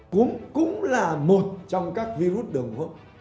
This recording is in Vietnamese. cúm cũng là một trong các virus đường hô hấp